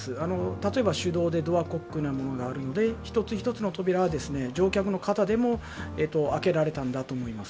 例えば手動でドアコックのようなものがあるので一つ一つの扉は乗客の方でも開けられたんだと思います。